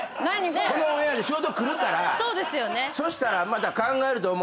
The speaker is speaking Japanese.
このオンエアで仕事来るからそしたらまた考えると思うよ。